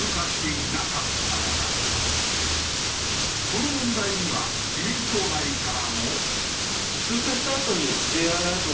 この問題には自民党内からも。